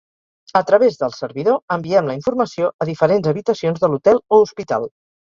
A través del servidor enviem la informació a diferents habitacions de l'hotel o hospital.